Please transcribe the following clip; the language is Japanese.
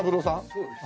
そうです。